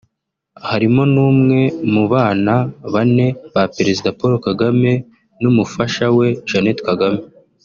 harimo n’umwe mu bana bane ba Perezida Paul Kagame n’umufasha we Jeannette Kagame